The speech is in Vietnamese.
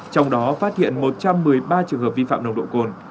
trong đó phát hiện một trăm một mươi ba trường hợp vi phạm nồng độ cồn